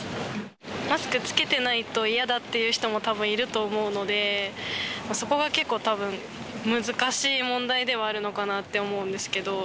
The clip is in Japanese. マスク着けてないと嫌だっていう人もたぶんいると思うので、そこが結構たぶん、難しい問題ではあるのかなって思うんですけど。